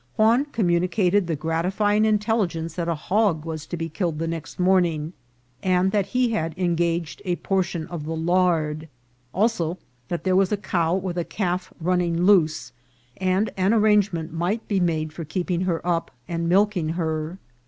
Juan communicated the gratify ing intelligence that a hog was to be killed the next morning, and that he had engaged a portion of the lard ; also, that there was a cow with a calf running loose, and an arrangement might be made for keeping her up and milking her.